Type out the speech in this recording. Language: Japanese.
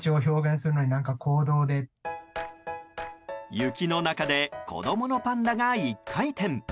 雪の中で子供のパンダが１回転。